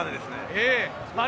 ええ。。